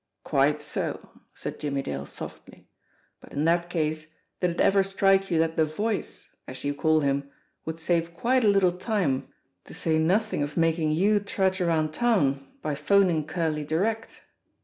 "Quite so!" said Jimmie Dale softly. "But in that case, did it ever strike you that the Voice, as you call him, would save quite a little time, to say nothing of making you trudge around town, by phoning Curley direct?"